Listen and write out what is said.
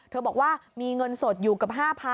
บอกว่ามีเงินสดอยู่กับ๕๐๐๐